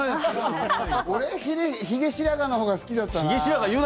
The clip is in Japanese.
俺ヒゲ白髪のほうが好きだったな。